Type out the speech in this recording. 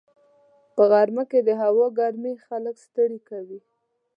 په غرمه کې د هوا ګرمي خلک ستړي کوي